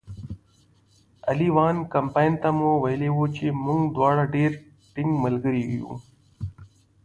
اغلې وان کمپن ته مو ویلي وو چې موږ دواړه ډېر ټینګ ملګري یو.